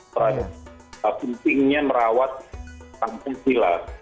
karena pentingnya merawat pancasila